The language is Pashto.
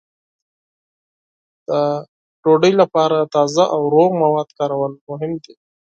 د ډوډۍ لپاره تازه او روغ مواد کارول مهم دي.